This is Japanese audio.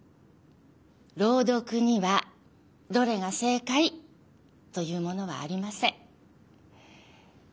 朗読にはどれが正かいというものはありません。